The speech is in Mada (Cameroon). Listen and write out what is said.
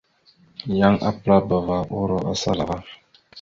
Yan apəlabava uro asala ava.